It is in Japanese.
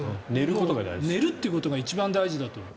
寝るということが一番大事だと。